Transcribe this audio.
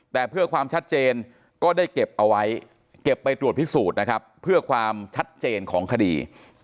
แต่เพื่อความชัดเจนก็ได้เก็บเอาไว้เก็บไปตรวจพิสูจน์นะครับเพื่อความชัดเจนของคดี